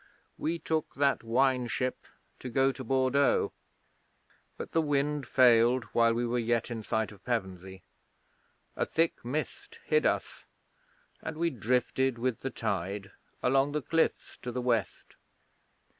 We took that wine ship to go to Bordeaux; but the wind failed while we were yet in sight of Pevensey, a thick mist hid us, and we drifted with the tide along the cliffs to the west.